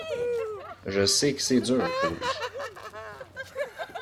Je sais que c’est dur, pour lui.